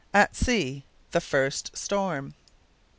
AT SEA THE FIRST STORM.